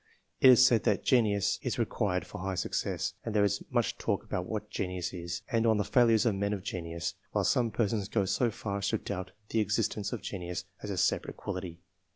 It is said that "genius" is required for high success, and there is much talk about what genius is, and on the failures of men of genius, while some persons go so far as to doubt the existence of genius as a separate quality.